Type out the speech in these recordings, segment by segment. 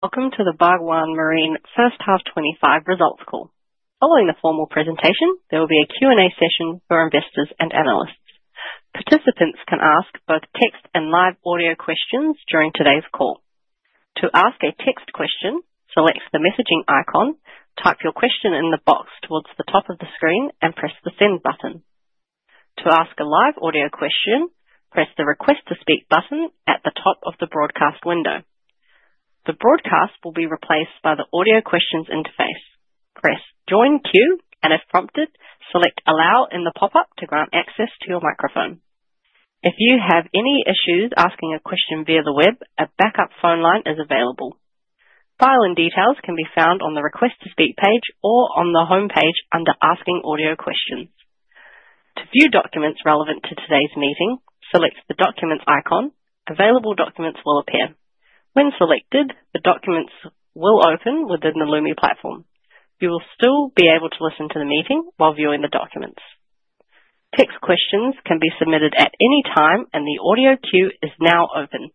Welcome to the Bhagwan Marine First Half 2025 Results Call. Following the formal presentation, there will be a Q&A session for investors and analysts. Participants can ask both text and live audio questions during today's call. To ask a text question, select the messaging icon, type your question in the box towards the top of the screen, and press the send button. To ask a live audio question, press the request to speak button at the top of the broadcast window. The broadcast will be replaced by the audio questions interface. Press join queue, and if prompted, select allow in the pop-up to grant access to your microphone. If you have any issues asking a question via the web, a backup phone line is available. File and details can be found on the request to speak page or on the home page under asking audio questions. To view documents relevant to today's meeting, select the document icon. Available documents will appear. When selected, the documents will open within the Lumi platform. You will still be able to listen to the meeting while viewing the documents. Text questions can be submitted at any time, and the audio queue is now open.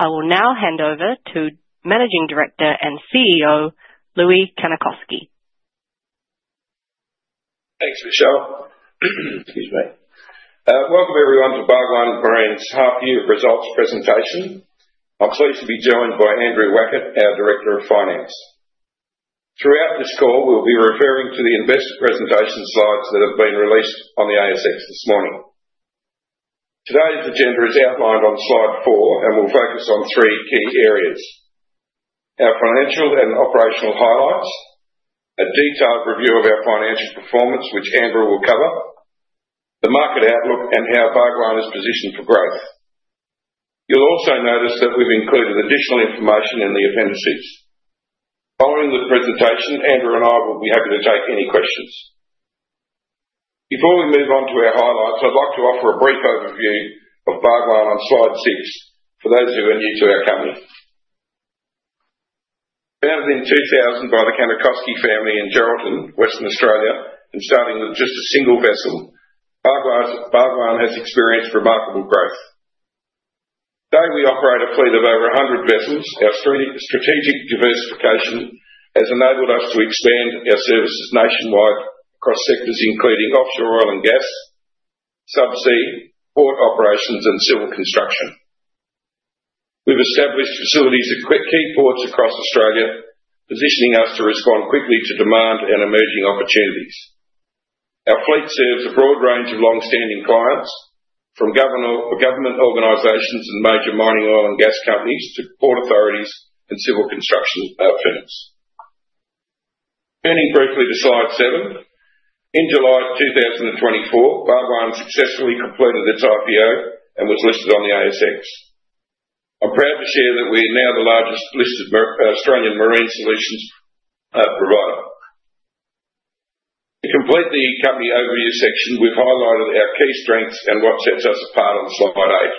I will now hand over to Managing Director and CEO, Loui Kannikoski. Thanks, Michelle. Excuse me. Welcome, everyone, to Bhagwan Marine's half-year results presentation. I'm pleased to be joined by Andrew Wackett, our Director of Finance. Throughout this call, we'll be referring to the investor presentation slides that have been released on the ASX this morning. Today's agenda is outlined on slide four, and we'll focus on three key areas: our financial and operational highlights, a detailed review of our financial performance, which Andrew will cover, the market outlook, and how Bhagwan is positioned for growth. You'll also notice that we've included additional information in the appendices. Following the presentation, Andrew and I will be happy to take any questions. Before we move on to our highlights, I'd like to offer a brief overview of Bhagwan on slide six for those who are new to our company. Founded in 2000 by the Kannikoski family in Geraldton, Western Australia, and starting with just a single vessel, Bhagwan has experienced remarkable growth. Today, we operate a fleet of over 100 vessels. Our strategic diversification has enabled us to expand our services nationwide across sectors including offshore oil and gas, subsea, port operations, and civil construction. We've established facilities at key ports across Australia, positioning us to respond quickly to demand and emerging opportunities. Our fleet serves a broad range of long-standing clients, from government organizations and major mining oil and gas companies to port authorities and civil construction firms. Turning briefly to slide seven, in July 2024, Bhagwan successfully completed its IPO and was listed on the ASX. I'm proud to share that we are now the largest listed Australian Marine Solutions provider. To complete the company overview section, we've highlighted our key strengths and what sets us apart on slide eight.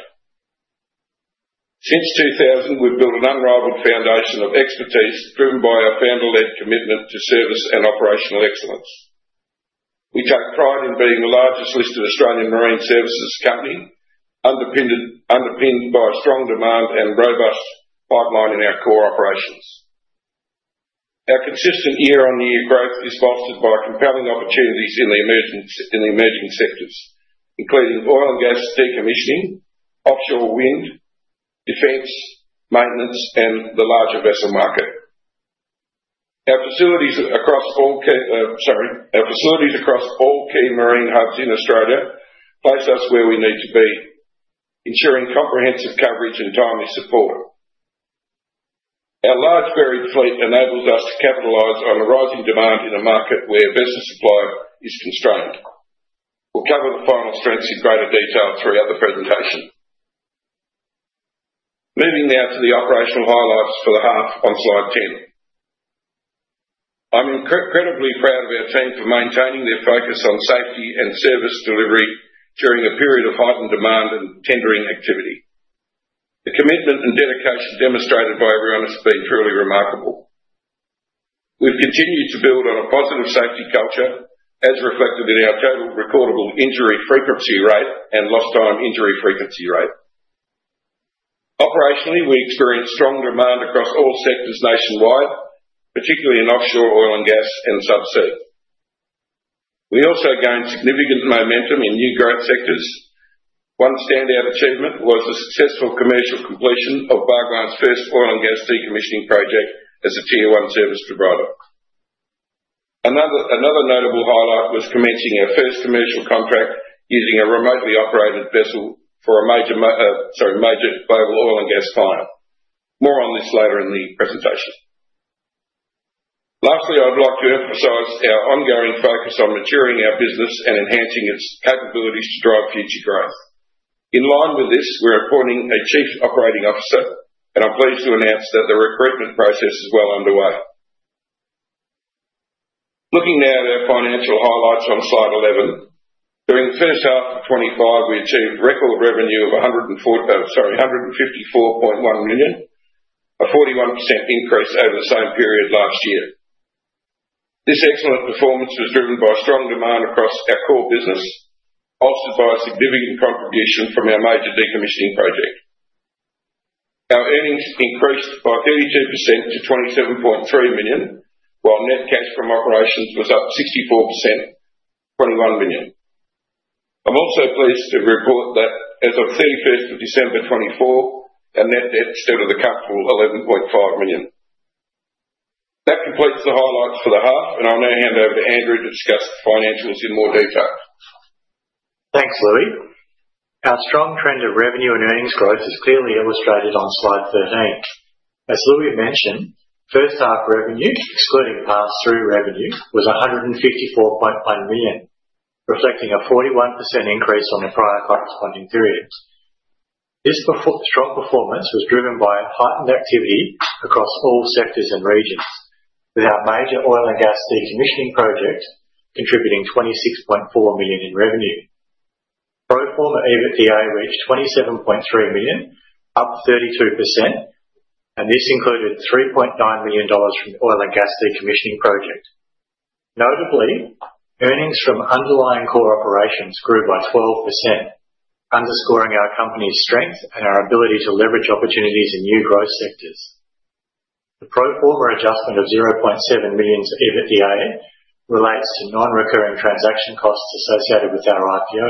Since 2000, we've built an unrivaled foundation of expertise driven by our founder-led commitment to service and operational excellence. We take pride in being the largest listed Australian marine services company, underpinned by strong demand and robust pipeline in our core operations. Our consistent year-on-year growth is bolstered by compelling opportunities in the emerging sectors, including oil and gas decommissioning, offshore wind, defense, maintenance, and the larger vessel market. Our facilities across all key marine hubs in Australia place us where we need to be, ensuring comprehensive coverage and timely support. Our large varied fleet enables us to capitalize on a rising demand in a market where business supply is constrained. We'll cover the final strengths in greater detail throughout the presentation. Moving now to the operational highlights for the half on slide 10. I'm incredibly proud of our team for maintaining their focus on safety and service delivery during a period of heightened demand and tendering activity. The commitment and dedication demonstrated by everyone has been truly remarkable. We've continued to build on a positive safety culture, as reflected in our total recordable injury frequency rate and lost time injury frequency rate. Operationally, we experience strong demand across all sectors nationwide, particularly in offshore oil and gas and subsea. We also gained significant momentum in new growth sectors. One standout achievement was the successful commercial completion of Bhagwan's first oil and gas decommissioning project as a Tier 1 service provider. Another notable highlight was commencing our first commercial contract using a remotely operated vessel for a major global oil and gas client. More on this later in the presentation. Lastly, I'd like to emphasize our ongoing focus on maturing our business and enhancing its capabilities to drive future growth. In line with this, we're appointing a Chief Operating Officer, and I'm pleased to announce that the recruitment process is well underway. Looking now at our financial highlights on slide 11, during the first half of 2025, we achieved record revenue of 154.1 million, a 41% increase over the same period last year. This excellent performance was driven by strong demand across our core business, bolstered by a significant contribution from our major decommissioning project. Our earnings increased by 32% to 27.3 million, while net cash from operations was up 64%, 21 million. I'm also pleased to report that as of 31st of December 2024, our net debt stood at a comfortable 11.5 million. That completes the highlights for the half, and I'll now hand over to Andrew to discuss financials in more detail. Thanks, Loui. Our strong trend of revenue and earnings growth is clearly illustrated on slide 13. As Loui mentioned, first half revenue, excluding pass-through revenue, was 154.1 million, reflecting a 41% increase on the prior corresponding period. This strong performance was driven by heightened activity across all sectors and regions, with our major oil and gas decommissioning project contributing AUD 26.4 million in revenue. Proforma EBITDA reached 27.3 million, up 32%, and this included 3.9 million dollars from the oil and gas decommissioning project. Notably, earnings from underlying core operations grew by 12%, underscoring our company's strength and our ability to leverage opportunities in new growth sectors. The pro forma adjustment of 0.7 million to EBITDA relates to non-recurring transaction costs associated with our IPO.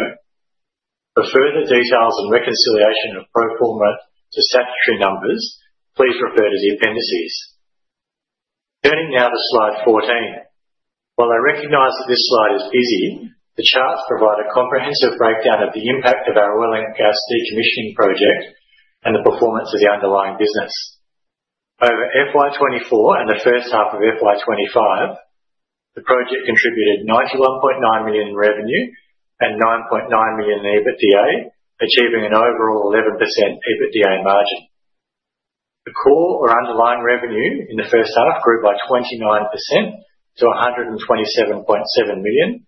For further details and reconciliation of pro forma to statutory numbers, please refer to the appendices. Turning now to slide 14. While I recognize that this slide is busy, the charts provide a comprehensive breakdown of the impact of our oil and gas decommissioning project and the performance of the underlying business. Over FY2024 and the first half of FY2025, the project contributed 91.9 million in revenue and 9.9 million in EBITDA, achieving an overall 11% EBITDA margin. The core or underlying revenue in the first half grew by 29% to 127.7 million,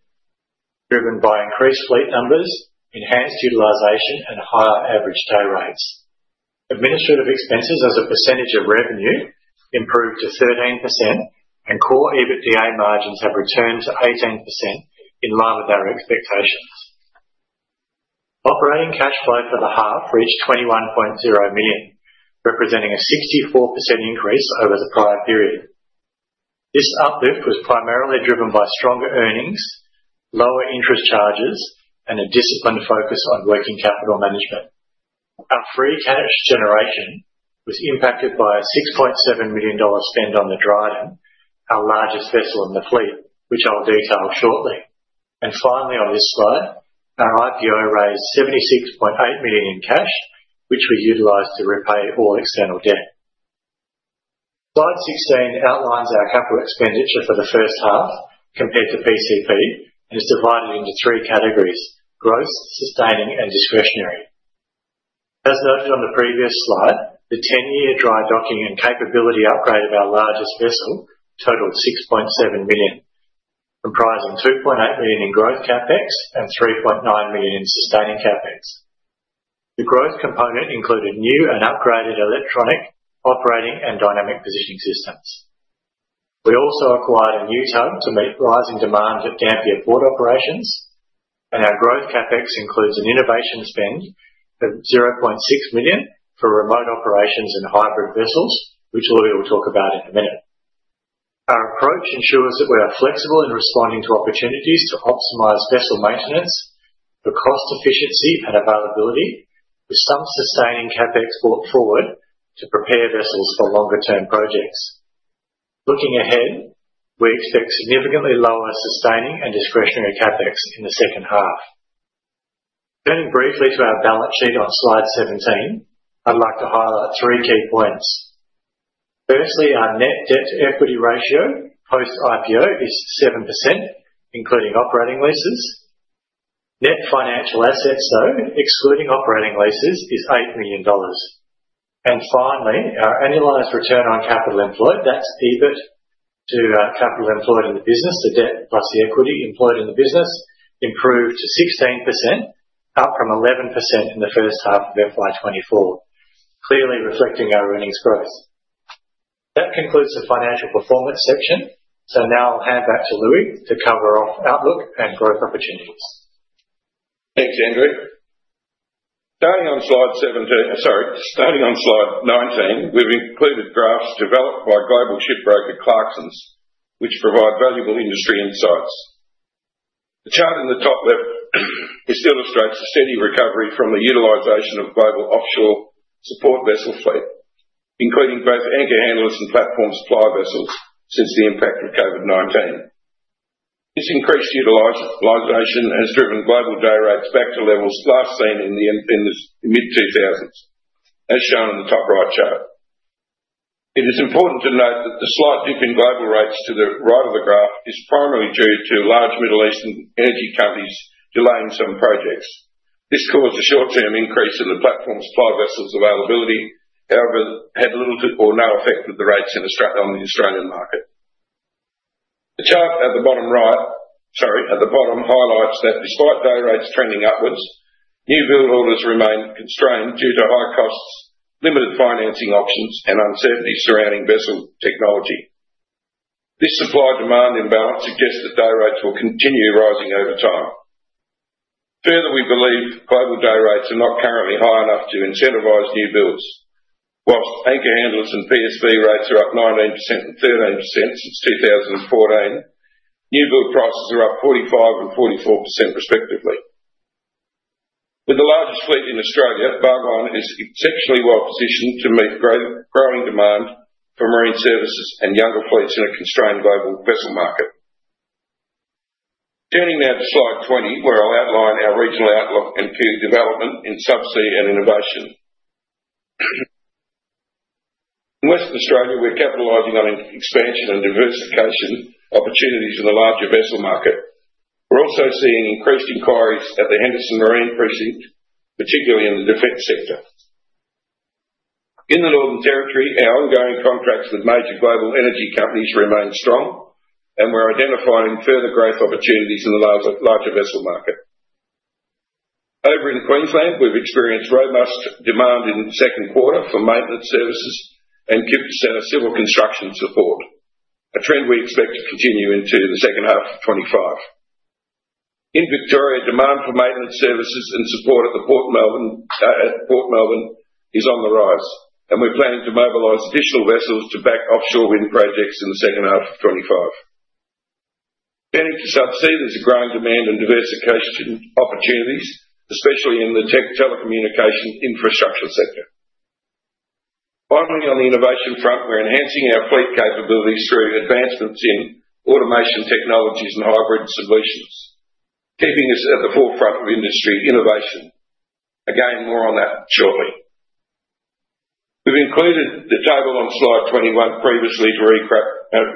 driven by increased fleet numbers, enhanced utilization, and higher average day rates. Administrative expenses as a percentage of revenue improved to 13%, and core EBITDA margins have returned to 18% in line with our expectations. Operating cash flow for the half reached 21.0 million, representing a 64% increase over the prior period. This uplift was primarily driven by stronger earnings, lower interest charges, and a disciplined focus on working capital management. Our free cash generation was impacted by a 6.7 million dollar spend on the Dryden, our largest vessel in the fleet, which I'll detail shortly. Finally, on this slide, our IPO raised 76.8 million in cash, which we utilized to repay all external debt. Slide 16 outlines our capital expenditure for the first half compared to PCP and is divided into three categories: gross, sustaining, and discretionary. As noted on the previous slide, the 10-year dry docking and capability upgrade of our largest vessel totaled 6.7 million, comprising 2.8 million in growth CapEx and 3.9 million in sustaining CapEx. The growth component included new and upgraded electronic, operating, and dynamic positioning systems. We also acquired a new tow to meet rising demand at Dampier Port Operations, and our growth CapEx includes an innovation spend of 0.6 million for remote operations and hybrid vessels, which Loui will talk about in a minute. Our approach ensures that we are flexible in responding to opportunities to optimize vessel maintenance, the cost efficiency, and availability, with some sustaining CapEx brought forward to prepare vessels for longer-term projects. Looking ahead, we expect significantly lower sustaining and discretionary CapEx in the second half. Turning briefly to our balance sheet on slide 17, I'd like to highlight three key points. Firstly, our net debt to equity ratio post-IPO is 7%, including operating leases. Net financial assets, though, excluding operating leases, is 8 million dollars. Finally, our annualized return on capital employed, that's EBIT to capital employed in the business, the debt plus the equity employed in the business, improved to 16%, up from 11% in the first half of FY2024, clearly reflecting our earnings growth. That concludes the financial performance section, so now I'll hand back to Loui to cover off outlook and growth opportunities. Thanks, Andrew. Starting on slide 17, sorry, starting on slide 19, we've included graphs developed by global shipbroker Clarksons, which provide valuable industry insights. The chart in the top left illustrates a steady recovery from the utilization of global offshore support vessel fleet, including both anchor handlers and platform supply vessels since the impact of COVID-19. This increased utilization has driven global day rates back to levels last seen in the mid-2000s, as shown in the top right chart. It is important to note that the slight dip in global rates to the right of the graph is primarily due to large Middle Eastern energy companies delaying some projects. This caused a short-term increase in the platform supply vessels' availability, however, had little or no effect on the rates on the Australian market. The chart at the bottom right, sorry, at the bottom highlights that despite day rates trending upwards, new build orders remain constrained due to high costs, limited financing options, and uncertainty surrounding vessel technology. This supply-demand imbalance suggests that day rates will continue rising over time. Further, we believe global day rates are not currently high enough to incentivize new builds. Whilst anchor handlers and PSV rates are up 19% and 13% since 2014, new build prices are up 45% and 44% respectively. With the largest fleet in Australia, Bhagwan is exceptionally well positioned to meet growing demand for marine services and younger fleets in a constrained global vessel market. Turning now to slide 20, where I'll outline our regional outlook and key development in subsea and innovation. In Western Australia, we're capitalizing on expansion and diversification opportunities in the larger vessel market. We're also seeing increased inquiries at the Henderson Marine Precinct, particularly in the defense sector. In the Northern Territory, our ongoing contracts with major global energy companies remain strong, and we're identifying further growth opportunities in the larger vessel market. Over in Queensland, we've experienced robust demand in the second quarter for maintenance services and civil construction support, a trend we expect to continue into the second half of 2025. In Victoria, demand for maintenance services and support at Port Melbourne is on the rise, and we're planning to mobilize additional vessels to back offshore wind projects in the second half of 2025. Turning to subsea, there's a growing demand and diversification opportunities, especially in the telecommunication infrastructure sector. Finally, on the innovation front, we're enhancing our fleet capabilities through advancements in automation technologies and hybrid solutions, keeping us at the forefront of industry innovation. Again, more on that shortly. We've included the table on slide 21 previously to recap our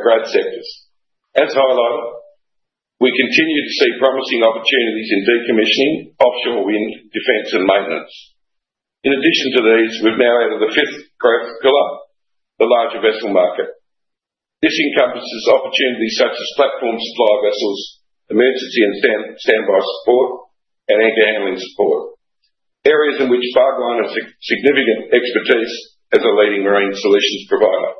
growth sectors. As highlighted, we continue to see promising opportunities in decommissioning, offshore wind, defense, and maintenance. In addition to these, we've now added the fifth growth pillar, the larger vessel market. This encompasses opportunities such as platform supply vessels, emergency and standby support, and anchor handling support, areas in which Bhagwan has significant expertise as a leading marine solutions provider.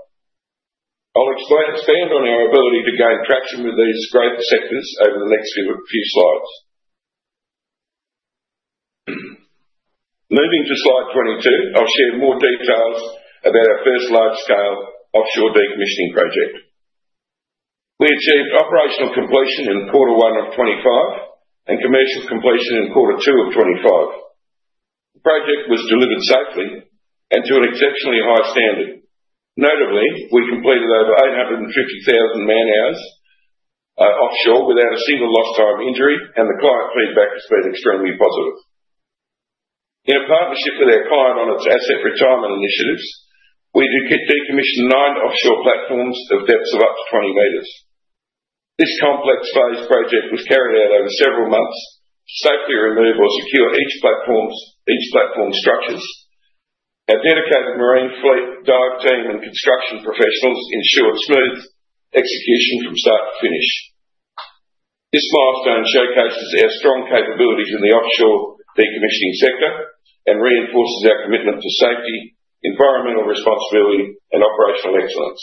I'll expand on our ability to gain traction with these growth sectors over the next few slides. Moving to slide 22, I'll share more details about our first large-scale offshore decommissioning project. We achieved operational completion in quarter one of 2025 and commercial completion in quarter two of 2025. The project was delivered safely and to an exceptionally high standard. Notably, we completed over 850,000 man-hours offshore without a single lost time injury, and the client feedback has been extremely positive. In a partnership with our client on its asset retirement initiatives, we decommissioned nine offshore platforms of depths of up to 20 meters. This complex phase project was carried out over several months to safely remove or secure each platform's structures. Our dedicated marine fleet dive team and construction professionals ensured smooth execution from start to finish. This milestone showcases our strong capabilities in the offshore decommissioning sector and reinforces our commitment to safety, environmental responsibility, and operational excellence.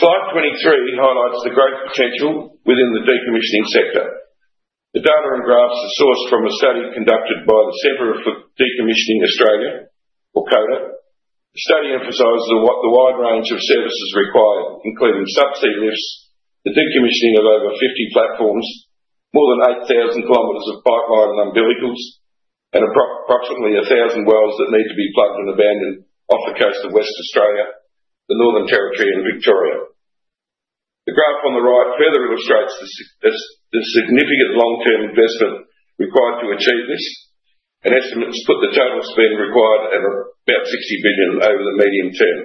Slide 23 highlights the growth potential within the decommissioning sector. The data and graphs are sourced from a study conducted by the Centre of Decommissioning Australia, or CODA. The study emphasizes the wide range of services required, including subsea lifts, the decommissioning of over 50 platforms, more than 8,000 km of pipeline and umbilicals, and approximately 1,000 wells that need to be plugged and abandoned off the coast of Western Australia, the Northern Territory, and Victoria. The graph on the right further illustrates the significant long-term investment required to achieve this, and estimates put the total spend required at about 60 billion over the medium term.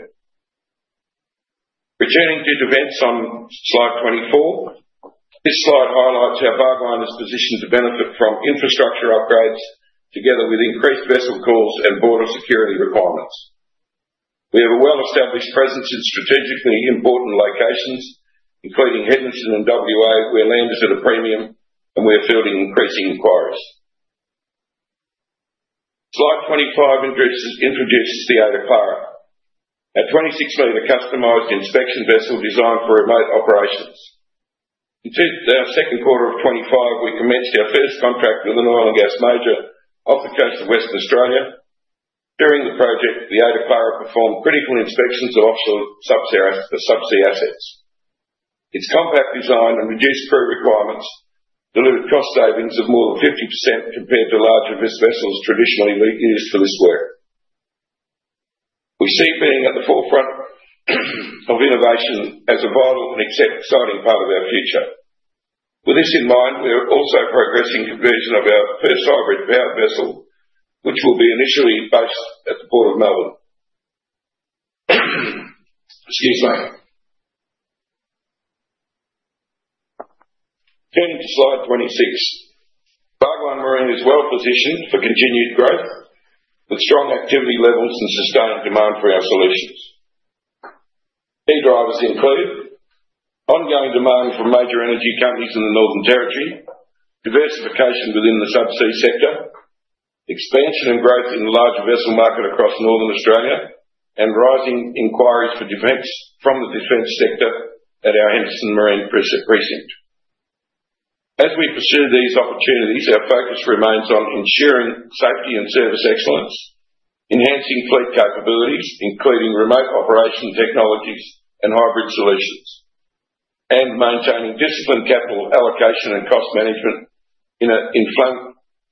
Returning to events on slide 24, this slide highlights how Bhagwan is positioned to benefit from infrastructure upgrades, together with increased vessel calls and border security requirements. We have a well-established presence in strategically important locations, including Henderson and WA, where land is at a premium, and we're fielding increasing inquiries. Slide 25 introduces the Ada Clara, a 26-meter customized inspection vessel designed for remote operations. In our second quarter of 2025, we commenced our first contract with an oil and gas major off the coast of Western Australia. During the project, the Ada Clara performed critical inspections of offshore subsea assets. Its compact design and reduced crew requirements delivered cost savings of more than 50% compared to larger vessels traditionally used for this work. We see being at the forefront of innovation as a vital and exciting part of our future. With this in mind, we're also progressing conversion of our first hybrid powered vessel, which will be initially based at the Port of Melbourne. Excuse me. Turning to slide 26, Bhagwan Marine is well positioned for continued growth with strong activity levels and sustained demand for our solutions. Key drivers include ongoing demand from major energy companies in the Northern Territory, diversification within the subsea sector, expansion and growth in the larger vessel market across Northern Australia, and rising inquiries from the defense sector at our Henderson Marine Precinct, as we pursue these opportunities. Our focus remains on ensuring safety and service excellence, enhancing fleet capabilities, including remote operation technologies and hybrid solutions, and maintaining disciplined capital allocation and cost management in an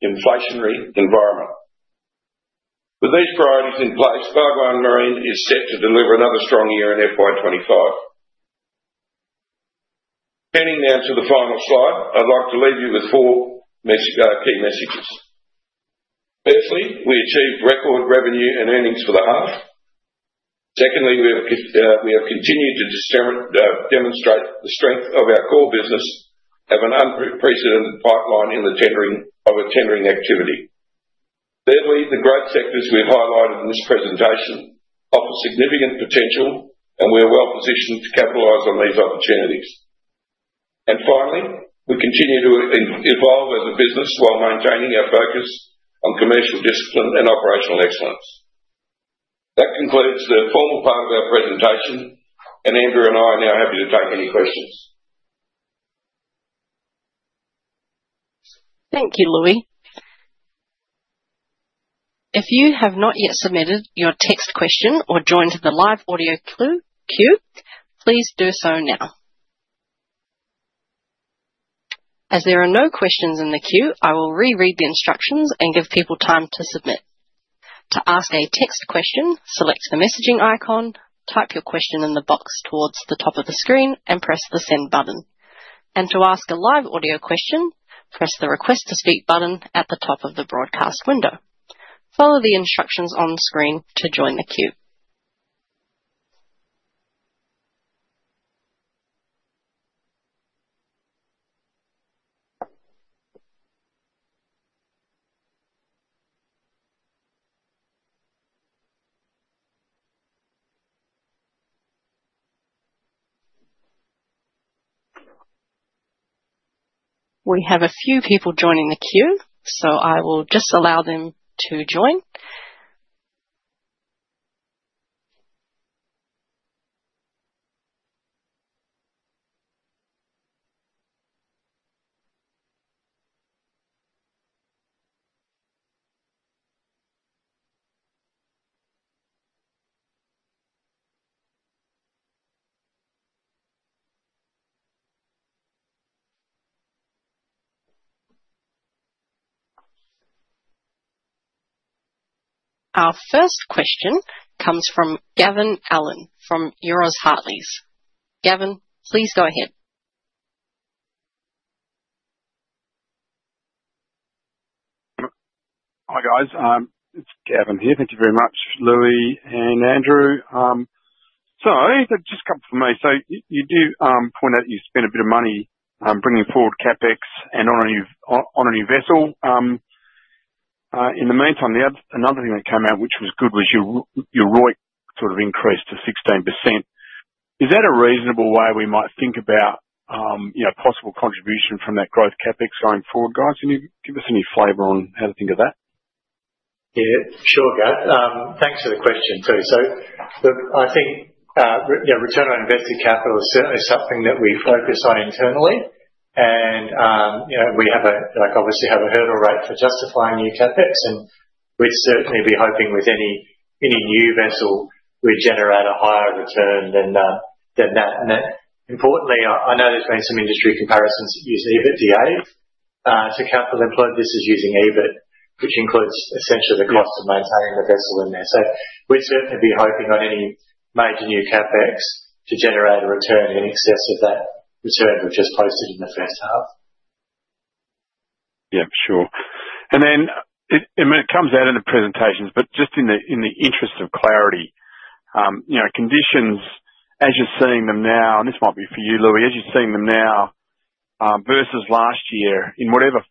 inflationary environment. With these priorities in place, Bhagwan Marine is set to deliver another strong year in FY25. Turning now to the final slide, I'd like to leave you with four key messages. Firstly, we achieved record revenue and earnings for the half. Secondly, we have continued to demonstrate the strength of our core business, have an unprecedented pipeline in the tendering of a tendering activity. Thirdly, the growth sectors we've highlighted in this presentation offer significant potential, and we are well positioned to capitalize on these opportunities. Finally, we continue to evolve as a business while maintaining our focus on commercial discipline and operational excellence. That concludes the formal part of our presentation, and Andrew and I are now happy to take any questions. Thank you, Loui. If you have not yet submitted your text question or joined the live audio queue, please do so now. As there are no questions in the queue, I will re-read the instructions and give people time to submit. To ask a text question, select the messaging icon, type your question in the box towards the top of the screen, and press the send button. To ask a live audio question, press the request to speak button at the top of the broadcast window. Follow the instructions on screen to join the queue. We have a few people joining the queue, so I will just allow them to join. Our first question comes from Gavin Allen from Euroz Hartleys. Gavin, please go ahead. Hi guys, it's Gavin here. Thank you very much, Loui and Andrew. Just a couple for me. You do point out you spend a bit of money bringing forward CapEx and on a new vessel. In the meantime, another thing that came out, which was good, was your ROIC sort of increased to 16%. Is that a reasonable way we might think about possible contribution from that growth CapEx going forward, guys? Can you give us any flavor on how to think of that? Yeah, sure, Gav. Thanks for the question, too. I think return on invested capital is certainly something that we focus on internally, and we obviously have a hurdle rate for justifying new CapEx. We'd certainly be hoping with any new vessel we'd generate a higher return than that. Importantly, I know there's been some industry comparisons that use EBITDA to capital employed. This is using EBIT, which includes essentially the cost of maintaining the vessel in there. We'd certainly be hoping on any major new CapEx to generate a return in excess of that return we've just posted in the first half. Yeah, sure. It comes out in the presentations, but just in the interest of clarity, conditions, as you're seeing them now, and this might be for you, Loui, as you're seeing them now versus last year in whatever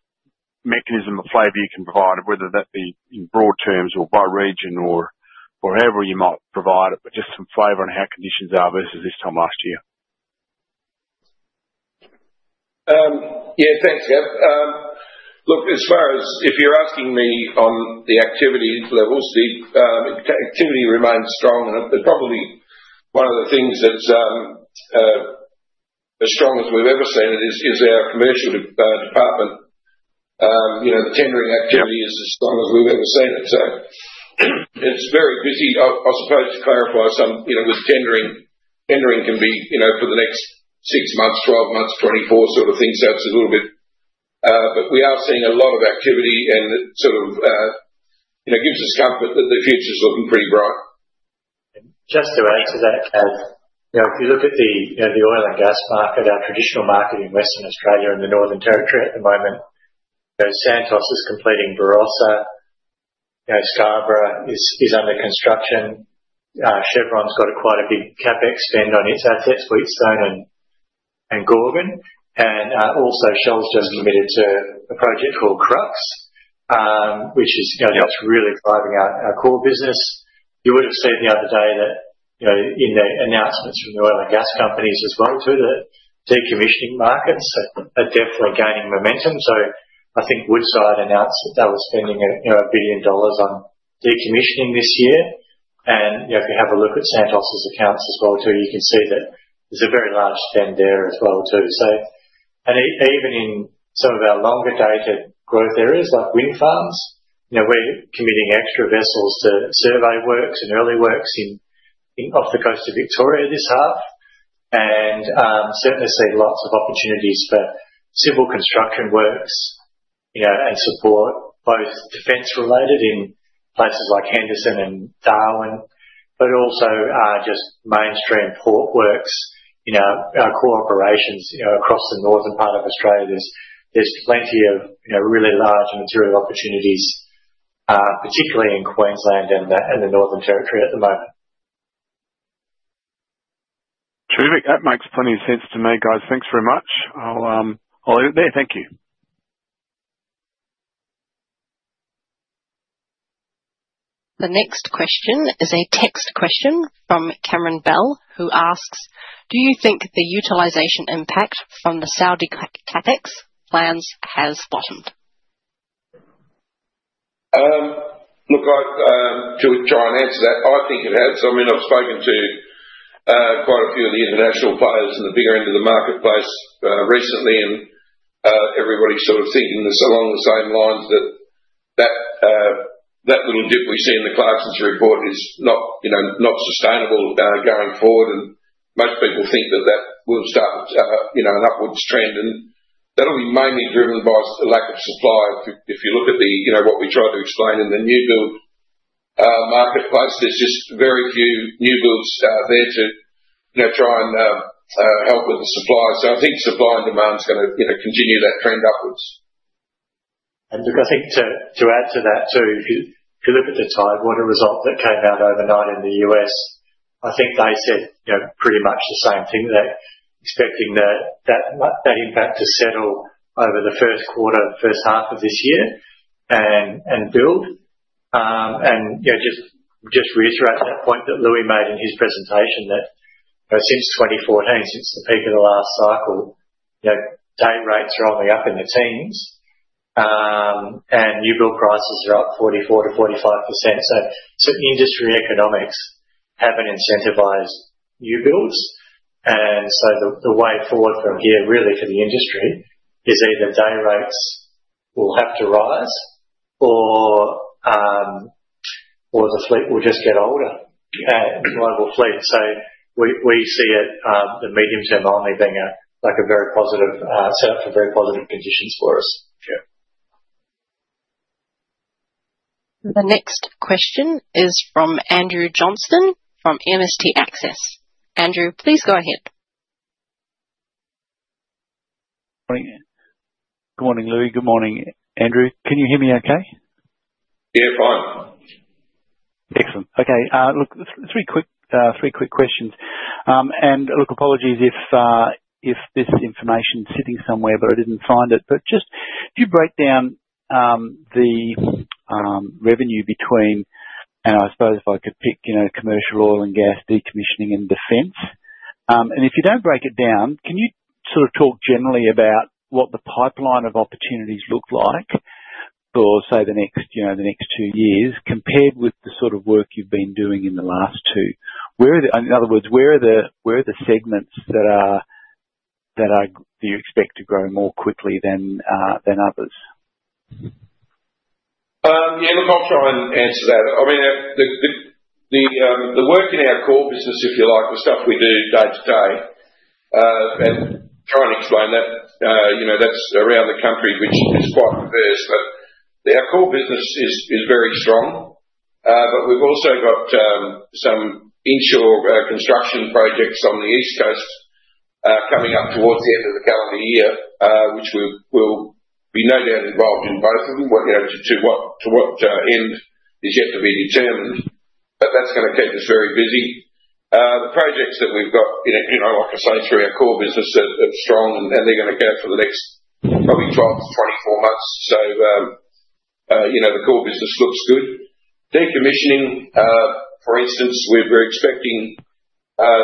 mechanism or flavor you can provide, whether that be in broad terms or by region or however you might provide it, but just some flavor on how conditions are versus this time last year. Yeah, thanks, Gav. Look, as far as if you're asking me on the activity levels, the activity remains strong. Probably one of the things that's as strong as we've ever seen it is our commercial department. The tendering activity is as strong as we've ever seen it. It's very busy, I suppose, to clarify some with tendering. Tendering can be for the next 6 months, 12 months, 24 sort of things. That's a little bit. We are seeing a lot of activity, and it sort of gives us comfort that the future's looking pretty bright. Just to add to that, Gav, if you look at the oil and gas market, our traditional market in Western Australia and the Northern Territory at the moment, Santos is completing Barossa. Scarborough is under construction. Chevron's got quite a big CapEx spend on its assets for Wheatstone and Gorgon. Also, Shell's just committed to a project called Crux, which is really driving our core business. You would have seen the other day that in the announcements from the oil and gas companies as well, too, that decommissioning markets are definitely gaining momentum. I think Woodside announced that they were spending 1 billion dollars on decommissioning this year. If you have a look at Santos's accounts as well, too, you can see that there's a very large spend there as well, too. Even in some of our longer data growth areas like wind farms, we're committing extra vessels to survey works and early works off the coast of Victoria this half. We certainly see lots of opportunities for civil construction works and support, both defense-related in places like Henderson and Darwin, but also just mainstream port works. Our core operations across the northern part of Australia, there's plenty of really large material opportunities, particularly in Queensland and the Northern Territory at the moment. Terrific. That makes plenty of sense to me, guys. Thanks very much. I'll leave it there. Thank you. The next question is a text question from Cameron Bell, who asks, "Do you think the utilization impact from the Saudi CapEx plans has bottomed? Look, to try and answer that, I think it has. I mean, I've spoken to quite a few of the international players in the bigger end of the marketplace recently, and everybody's sort of thinking along the same lines that that little dip we see in the Clarksons report is not sustainable going forward. Most people think that that will start an upwards trend, and that'll be mainly driven by a lack of supply. If you look at what we try to explain in the new build marketplace, there's just very few new builds there to try and help with the supply. I think supply and demand's going to continue that trend upwards. Look, I think to add to that, too, if you look at the Tidewater result that came out overnight in the U.S., I think they said pretty much the same thing, that expecting that impact to settle over the first quarter, first half of this year and build. Just reiterate that point that Loui made in his presentation, that since 2014, since the peak of the last cycle, day rates are only up in the teens, and new build prices are up 44%-45%. Certain industry economics have not incentivized new builds. The way forward from here, really, for the industry is either day rates will have to rise or the fleet will just get older, global fleet. We see the medium term only being a very positive setup for very positive conditions for us. The next question is from Andrew Johnston from MST Access. Andrew, please go ahead. Good morning, Loui. Good morning, Andrew. Can you hear me okay? Yeah, fine. Excellent. Okay. Look, three quick questions. Apologies if this information's sitting somewhere but I didn't find it. Could you break down the revenue between, and I suppose if I could pick commercial oil and gas, decommissioning, and defense? If you don't break it down, can you sort of talk generally about what the pipeline of opportunities looks like for, say, the next two years compared with the sort of work you've been doing in the last two? In other words, where are the segments that you expect to grow more quickly than others? Yeah, look, I'll try and answer that. I mean, the work in our core business, if you like, the stuff we do day to day, and try and explain that, that's around the country, which is quite diverse. Our core business is very strong. We've also got some inshore construction projects on the East Coast coming up towards the end of the calendar year, which we'll be no doubt involved in both of them. To what end is yet to be determined, but that's going to keep us very busy. The projects that we've got, like I say, through our core business, they're strong, and they're going to go for the next probably 12-24 months. The core business looks good. Decommissioning, for instance, we're expecting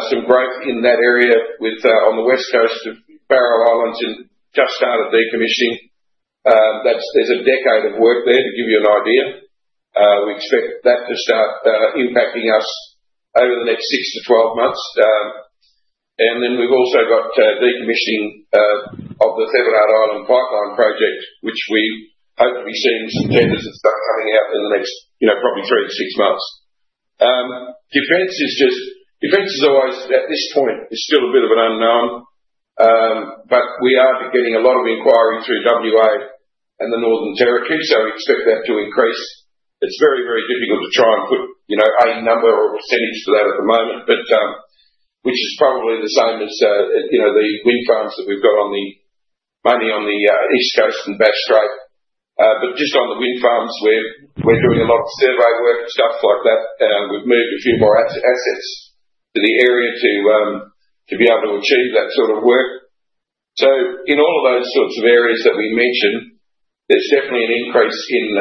some growth in that area on the West Coast of Barrow Island. We just started decommissioning. There's a decade of work there, to give you an idea. We expect that to start impacting us over the next 6 to 12 months. We've also got decommissioning of the Thevenard Island pipeline project, which we hope to be seeing some tenders and stuff coming out in the next probably three to six months. Defense is always, at this point, still a bit of an unknown, but we are getting a lot of inquiry through WA and the Northern Territory, so we expect that to increase. It's very, very difficult to try and put a number or a percentage to that at the moment, which is probably the same as the wind farms that we've got mainly on the East Coast and Bass Strait. Just on the wind farms, we're doing a lot of survey work and stuff like that. We've moved a few more assets to the area to be able to achieve that sort of work. In all of those sorts of areas that we mentioned, there's definitely an increase in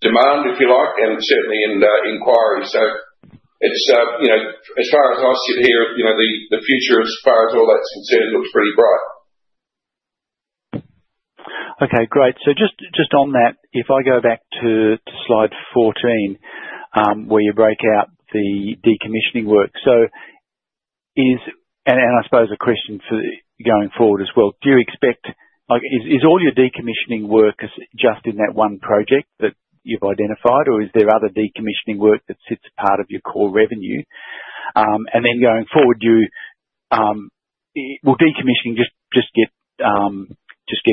demand, if you like, and certainly in inquiry. As far as I sit here, the future, as far as all that's concerned, looks pretty bright. Okay, great. Just on that, if I go back to slide 14, where you break out the decommissioning work, is, and I suppose a question for going forward as well, do you expect is all your decommissioning work just in that one project that you've identified, or is there other decommissioning work that sits part of your core revenue? Then going forward, will decommissioning just get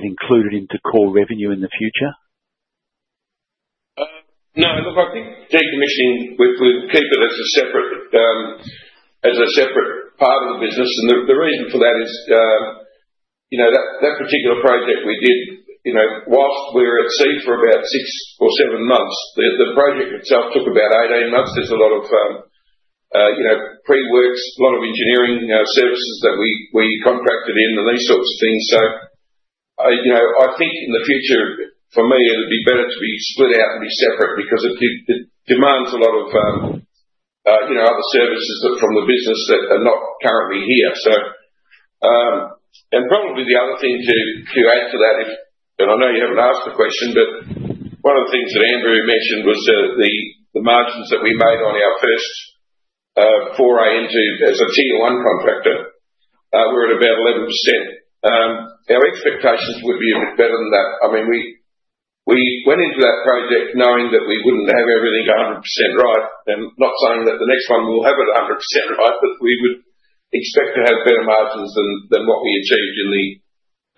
included into core revenue in the future? No. Look, I think decommissioning, we'll keep it as a separate part of the business. The reason for that is that particular project we did, whilst we were at sea for about six or seven months, the project itself took about 18 months. There's a lot of pre-works, a lot of engineering services that we contracted in, and these sorts of things. I think in the future, for me, it'd be better to be split out and be separate because it demands a lot of other services from the business that are not currently here. Probably the other thing to add to that, and I know you haven't asked the question, but one of the things that Andrew mentioned was the margins that we made on our first foray into as a Tier 1 contractor were at about 11%. Our expectations would be a bit better than that. I mean, we went into that project knowing that we wouldn't have everything 100% right. Not saying that the next one will have it 100% right, but we would expect to have better margins than what we achieved in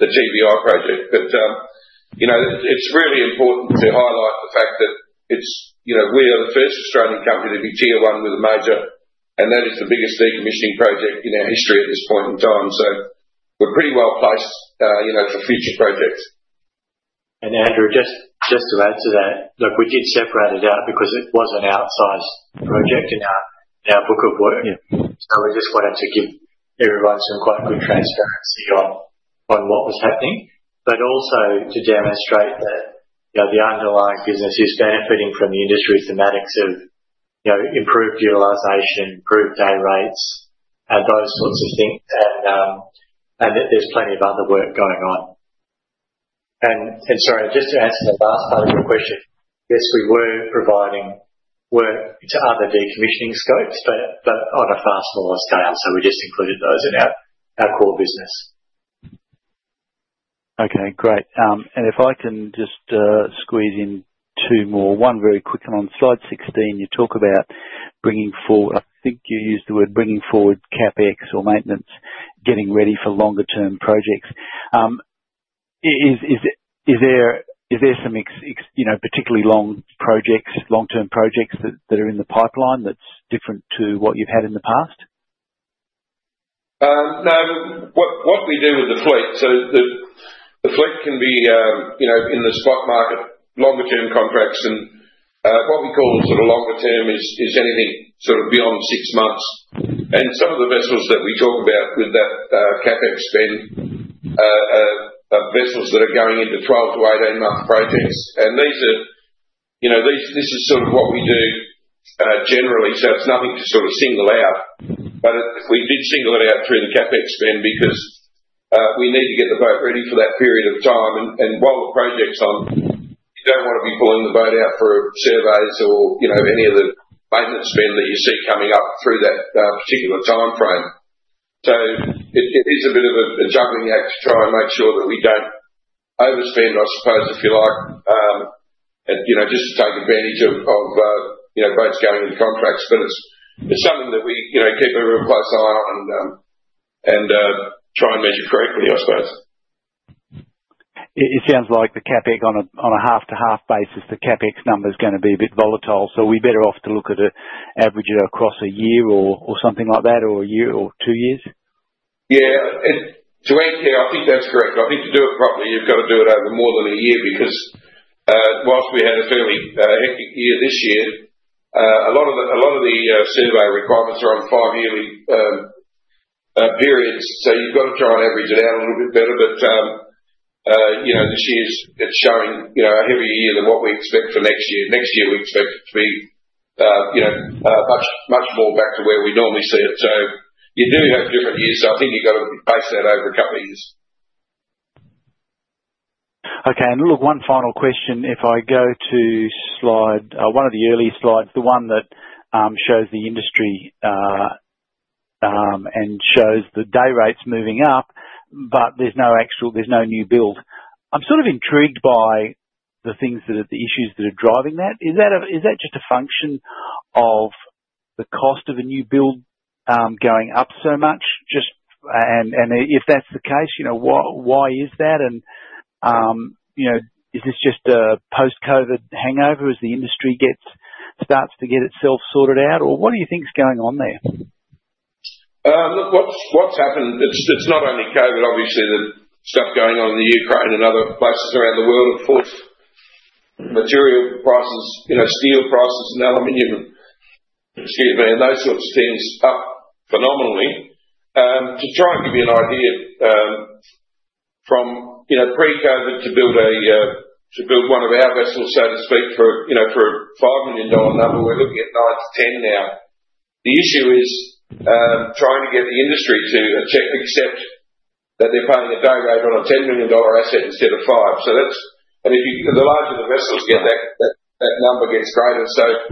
the TVI project. It is really important to highlight the fact that we are the first Australian company to be Tier 1 with a major, and that is the biggest decommissioning project in our history at this point in time. We are pretty well placed for future projects. Andrew, just to add to that, look, we did separate it out because it was an outsized project in our book of work. We just wanted to give everyone some quite good transparency on what was happening, but also to demonstrate that the underlying business is benefiting from the industry thematics of improved utilization, improved day rates, and those sorts of things, and that there is plenty of other work going on. Sorry, just to answer the last part of your question, yes, we were providing work to other decommissioning scopes, but on a far smaller scale. We just included those in our core business. Okay, great. If I can just squeeze in two more. One very quick one. On slide 16, you talk about bringing forward, I think you used the word bringing forward CapEx or maintenance, getting ready for longer-term projects. Is there some particularly long-term projects that are in the pipeline that's different to what you've had in the past? No. What we do with the fleet, the fleet can be in the spot market, longer-term contracts. What we call sort of longer-term is anything sort of beyond six months. Some of the vessels that we talk about with that CapEx spend are vessels that are going into 12 to 18-month projects. This is sort of what we do generally, so it's nothing to sort of single out. We did single it out through the CapEx spend because we need to get the boat ready for that period of time. While the project's on, you do not want to be pulling the boat out for surveys or any of the maintenance spend that you see coming up through that particular time frame. It is a bit of a juggling act to try and make sure that we do not overspend, I suppose, if you like, and just to take advantage of boats going into contracts. It is something that we keep a real close eye on and try and measure correctly, I suppose. It sounds like on a half-to-half basis, the CapEx number is going to be a bit volatile. Are we better off to look at an average across a year or something like that, or a year or two years? Yeah. To answer you, I think that's correct. I think to do it properly, you've got to do it over more than a year because whilst we had a fairly hectic year this year, a lot of the survey requirements are on five-yearly periods. You've got to try and average it out a little bit better. This year is showing a heavier year than what we expect for next year. Next year, we expect it to be much more back to where we normally see it. You do have different years. I think you've got to base that over a couple of years. Okay. Look, one final question. If I go to one of the earlier slides, the one that shows the industry and shows the day rates moving up, but there is no new build, I am sort of intrigued by the issues that are driving that. Is that just a function of the cost of a new build going up so much? If that is the case, why is that? Is this just a post-COVID hangover as the industry starts to get itself sorted out? What do you think is going on there? Look, what's happened, it's not only COVID, obviously, the stuff going on in the Ukraine and other places around the world, of course, material prices, steel prices, and aluminium, excuse me, and those sorts of things up phenomenally. To try and give you an idea, from pre-COVID to build one of our vessels, so to speak, for an 5 million dollar number, we're looking at 9 million-10 million now. The issue is trying to get the industry to accept that they're paying a day rate on an 10 million dollar asset instead of 5 million. The larger the vessels get, that number gets greater.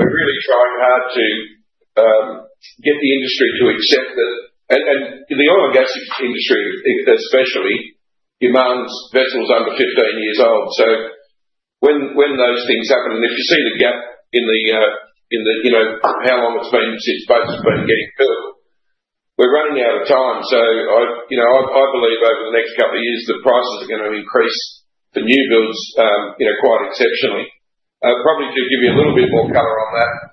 We're really trying hard to get the industry to accept that. The oil and gas industry, especially, demands vessels under 15 years old. When those things happen, and if you see the gap in how long it's been since boats have been getting built, we're running out of time. I believe over the next couple of years, the prices are going to increase for new builds quite exceptionally. Probably to give you a little bit more color on that,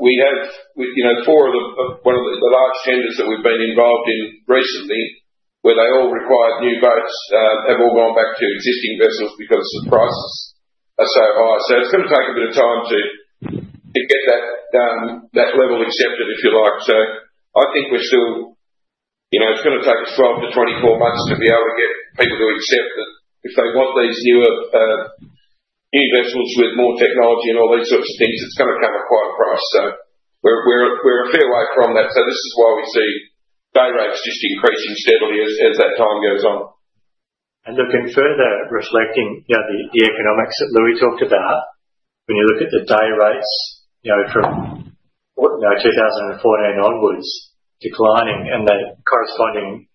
we have four of the large tenders that we've been involved in recently, where they all required new boats, have all gone back to existing vessels because the prices are so high. It's going to take a bit of time to get that level accepted, if you like. I think we're still, it's going to take 12-24 months to be able to get people to accept that if they want these newer vessels with more technology and all these sorts of things, it's going to come at quite a price. We're a fair way from that. This is why we see day rates just increasing steadily as that time goes on. Looking further, reflecting the economics that Loui talked about, when you look at the day rates from 2014 onwards declining and the corresponding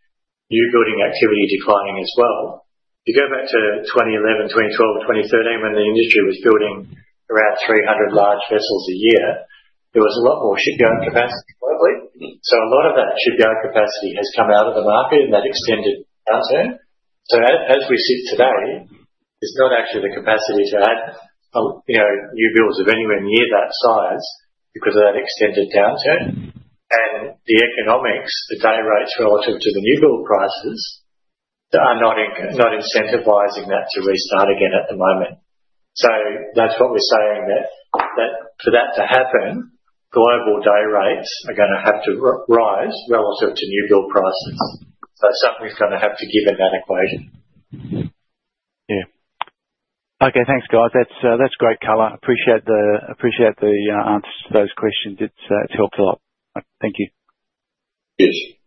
new building activity declining as well, if you go back to 2011, 2012, 2013, when the industry was building around 300 large vessels a year, there was a lot more shipyard capacity globally. A lot of that shipyard capacity has come out of the market, and that extended downturn. As we sit today, it's not actually the capacity to add new builds of anywhere near that size because of that extended downturn. The economics, the day rates relative to the new build prices are not incentivizing that to restart again at the moment. That's what we're saying, that for that to happen, global day rates are going to have to rise relative to new build prices. Something's going to have to give in that equation. Yeah. Okay. Thanks, guys. That's great color. Appreciate the answers to those questions. It's helped a lot. Thank you. Yes.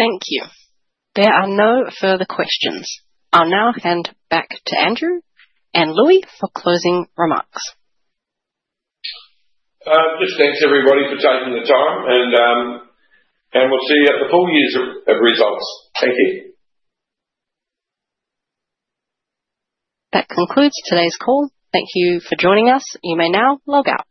Thank you. There are no further questions. I'll now hand back to Andrew and Loui for closing remarks. Just thanks, everybody, for taking the time. We'll see you at the full years of results. Thank you. That concludes today's call. Thank you for joining us. You may now log out.